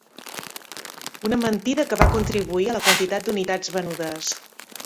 Una mentida que va contribuir a la quantitat d'unitats venudes.